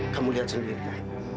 kamu lihat sendiri